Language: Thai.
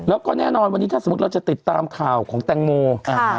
แล้วก็แน่นอนวันนี้ถ้าสมมุติเราจะติดตามข่าวของแตงโม